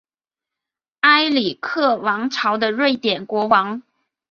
埃里克王朝的瑞典国王。